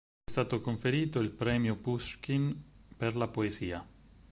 Gli è stato conferito il Premio Puškin per la Poesia.